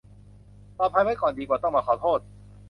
ปลอดภัยไว้ก่อนดีกว่าต้องมาขอโทษ